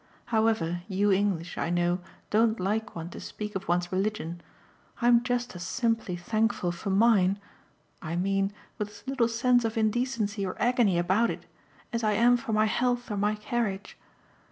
However, you English, I know, don't like one to speak of one's religion. I'm just as simply thankful for mine I mean with as little sense of indecency or agony about it as I am for my health or my carriage.